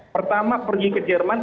pertama pergi ke jerman